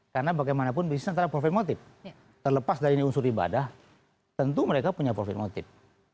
karena bagaimanapun bisnisnya profil motif terlepas dari unsur ibadah tentu mereka punya profil motif